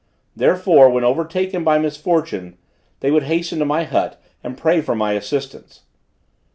Therefore, when overtaken by misfortune, they would hasten to my hut and pray for my assistance.